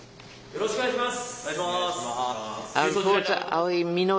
よろしくお願いします。